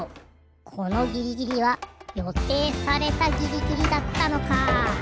このギリギリはよていされたギリギリだったのか。